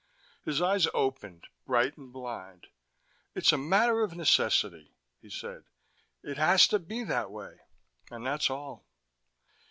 His eyes opened, bright and blind. "It's a matter of necessity," he said. "It has to be that way, and that's all."